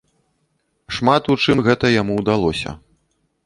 Шмат у чым гэта яму ўдалося.